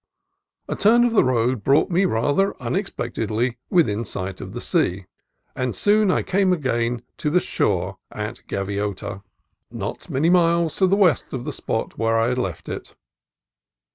A turn of the road brought me rather unex pectedly within sight of the sea, and I soon came again to the shore at Gaviota, not many mjles west 106 CALIFORNIA COAST TRAILS of the spot where I had left it.